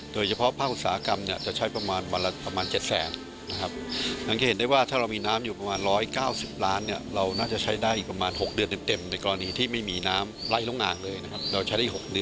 โดยเฉพาะภาคงุตสาหกรรมจะใช้ประมาณเป็นวันละ๗๐๐๐